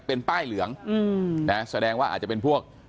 เป็นป้ายเหลืองแสดงว่าอาจจะเป็นพวก